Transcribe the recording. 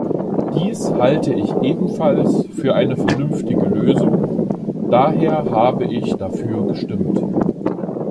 Dies halte ich ebenfalls für eine vernünftige Lösung, daher habe ich dafür gestimmt.